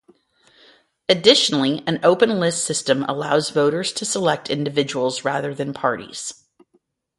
Additionally, an open list system allows voters to select individuals rather than parties.